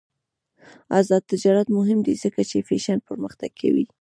آزاد تجارت مهم دی ځکه چې فیشن پرمختګ کوي.